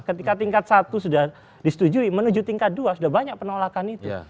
ketika tingkat satu sudah disetujui menuju tingkat dua sudah banyak penolakan itu